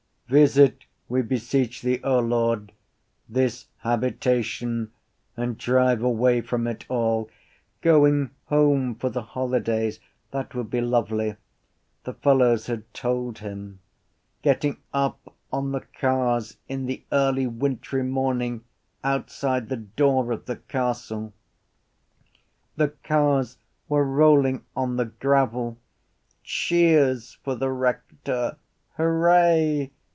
Visit, we beseech Thee, O Lord, this habitation and drive away from it all... Going home for the holidays! That would be lovely: the fellows had told him. Getting up on the cars in the early wintry morning outside the door of the castle. The cars were rolling on the gravel. Cheers for the rector! Hurray!